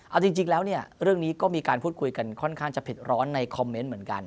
เอาจริงแล้วเนี่ยเรื่องนี้ก็มีการพูดคุยกันค่อนข้างจะเผ็ดร้อนในคอมเมนต์เหมือนกัน